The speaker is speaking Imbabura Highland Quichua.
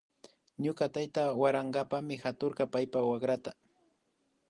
Ñuka tayta warankapami haturka paypa wakrata